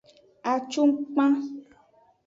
Acukpan.